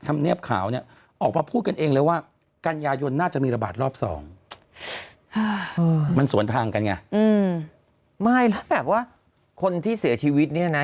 ไม่แล้วแบบว่าคนที่เสียชีวิตนี่นะ